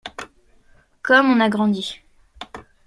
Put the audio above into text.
Comme on a grandi !